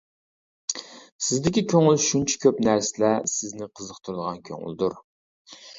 سىزدىكى كۆڭۈل شۇنچە كۆپ نەرسىلەر سىزنى قىزىقتۇرىدىغان كۆڭۈلدۇر.